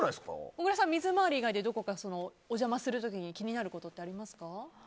小倉さん、水回り以外でお邪魔する時に気になることってありますか？